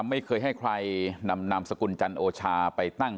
ไม่เคยให้ใครนำนามสกุลจันโอชาไปตั้ง